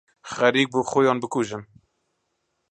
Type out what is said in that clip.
خەریک بوو خۆیان بکوژن.